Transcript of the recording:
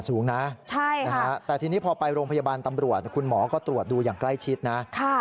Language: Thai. สูงนะแต่ทีนี้พอไปโรงพยาบาลตำรวจคุณหมอก็ตรวจดูอย่างใกล้ชิดนะ